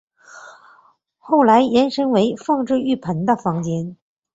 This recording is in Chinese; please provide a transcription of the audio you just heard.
后来延伸为放置浴盆的房间。